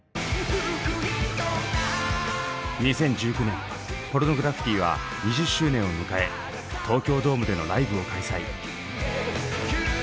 ２０１９年ポルノグラフィティは２０周年を迎え東京ドームでのライブを開催。